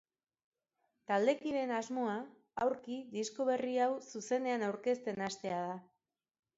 Taldekideen asmoa aurki disko berri hau zuzenean aurkezten hastea da.